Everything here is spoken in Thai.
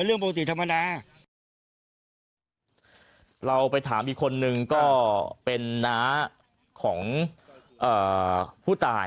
เราไปถามอีกคนนึงก็เป็นน้าของผู้ต่อหัส